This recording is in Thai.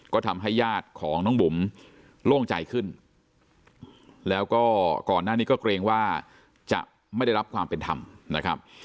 ก็ทำให้ญาติของน้องบุ๋มโล่งใจขึ้นแล้วก็ก่อนหน้านี้ก็เกรงว่าจะไม่ได้รับความเป็นธรรมนะครับ